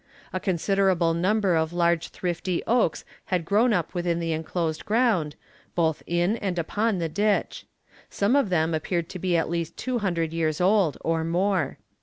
A considerable number of large thrifty oaks had grown up within the enclosed ground, both in and upon the ditch; some of them appeared to be at least two hundred years old, or more.